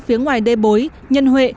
phía ngoài đề bối nhân huệ